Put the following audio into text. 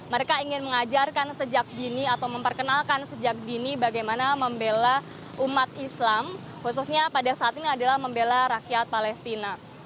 mereka ingin mengajarkan sejak dini atau memperkenalkan sejak dini bagaimana membela umat islam khususnya pada saat ini adalah membela rakyat palestina